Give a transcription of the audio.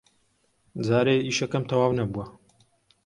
جارێ ئیشەکەم تەواو نەبووە.